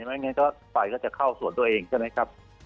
ไม่งั้นก็ไฟก็จะเข้าสวนตัวเองใช่ไหมครับ